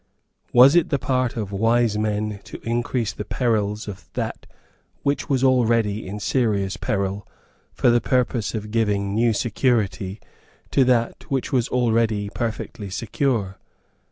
Was it the part of wise men to increase the perils of that which was already in serious peril for the purpose of giving new security to that which was already perfectly secure?